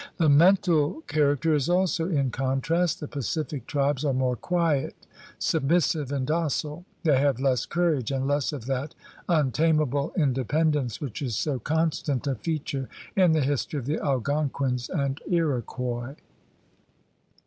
The mental character is also in contrast. The Pacific tribes are more quiet, submissive, and docile; they have less courage, and less of that untamable independence which is so constant a feature in the history of the Algonquins and Iroquois.'